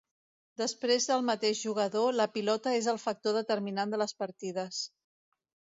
Després del mateix jugador, la pilota és el factor determinant de les partides.